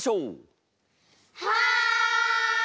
はい！